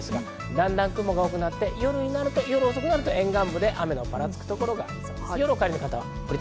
だんだん雲が多くなって、夜になると沿岸部で雨のパラつくところがありそうです。